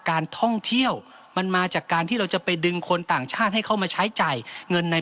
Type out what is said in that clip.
การท่องเที่ยวมันมาจากการที่เราจะไปดึงคนต่างชาติให้เข้ามาใช้จ่ายเงินใน